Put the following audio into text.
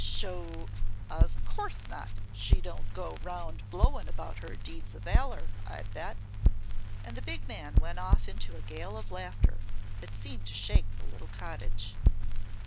Sho! Of course not. She don't go 'round blowing about her deeds of valor, I bet!" and the big man went off into a gale of laughter that seemed to shake the little cottage.